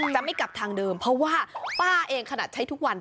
จะไม่กลับทางเดิมเพราะว่าป้าเองขนาดใช้ทุกวัน